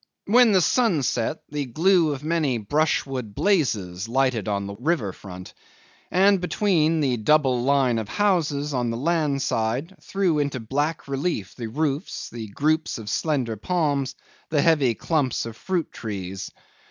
When the sun set the glue of many brushwood blazes lighted on the river front, and between the double line of houses on the land side threw into black relief the roofs, the groups of slender palms, the heavy clumps of fruit trees.